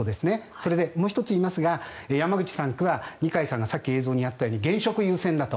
それで、もう１つ言いますが山口３区は二階さんがさっき映像にあったように現職優先だと。